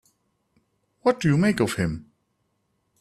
What do you make of him?